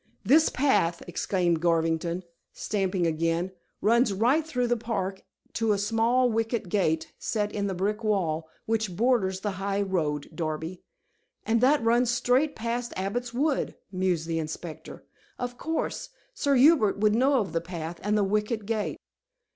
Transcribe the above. "This path," explained Garvington, stamping again, "runs right through the park to a small wicket gate set in the brick wall, which borders the high road, Darby." "And that runs straightly past Abbot's Wood," mused the inspector. "Of course, Sir Hubert would know of the path and the wicket gate?"